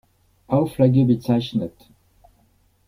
Auflage bezeichnet.